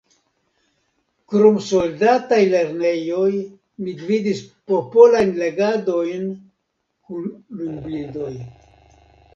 Krom soldataj lernejoj mi gvidis popolajn legadojn kun lumbildoj.